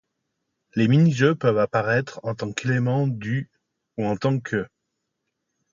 Les mini-jeux peuvent apparaître en tant qu’élément du ' ou en tant qu’'.